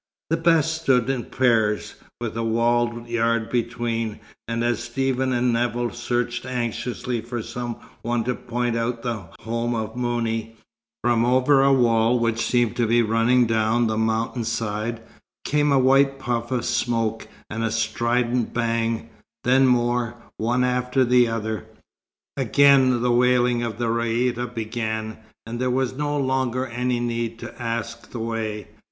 The best stood in pairs, with a walled yard between; and as Stephen and Nevill searched anxiously for some one to point out the home of Mouni, from over a wall which seemed to be running down the mountain side, came a white puff of smoke and a strident bang, then more, one after the other. Again the wailing of the raïta began, and there was no longer any need to ask the way.